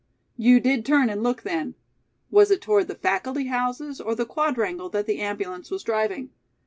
"You did turn and look then? Was it toward the faculty houses or the Quadrangle that the ambulance was driving?"